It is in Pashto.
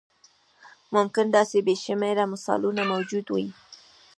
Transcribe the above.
ممکن داسې بې شمېره مثالونه موجود وي.